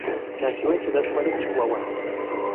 Nació en Ciudad Juárez, Chihuahua.